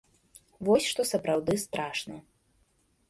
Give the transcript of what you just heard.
Вось што сапраўды страшна.